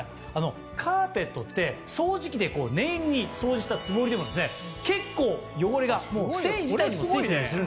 カーペットって掃除機で念入りに掃除したつもりでも結構汚れが繊維自体にも付いてたりするんですよね。